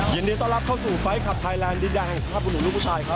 เย็นดีต้อนรับเข้าสู่ไฟล์ทคลับไทยแลนด์ดิดดางสภาพผู้หนุ่มผู้ชายครับ